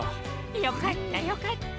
よかったよかった。